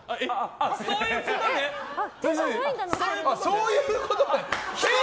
そういうことね！